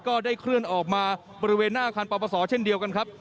ก็ได้เคลื่อนออกมาบริเวณหน้าอาคารปรปศเช่นเดียวกันครับ